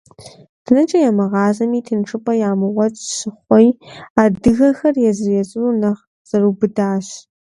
Дэнэкӏэ ямыгъэзами тыншыпӏэ ямыгъуэт щыхъуи, адыгэхэр езыр-езырурэ нэхъ зэрыубыдащ.